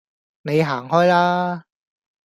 你行開啦